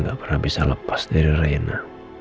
gak pernah bisa lepas dari raina